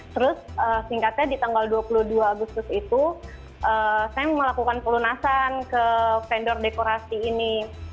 terus singkatnya di tanggal dua puluh dua agustus itu saya melakukan pelunasan ke vendor dekorasi ini